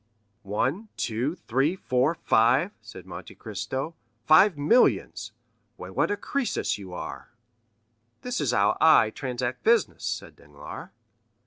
'" "One, two, three, four, five," said Monte Cristo; "five millions—why what a Crœsus you are!" "This is how I transact business," said Danglars.